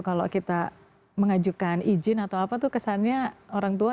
kalau kita mengajukan izin atau apa tuh kesannya orang tua